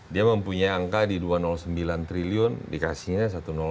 dia mempunyai angka di dua ratus sembilan triliun dikasihnya satu ratus delapan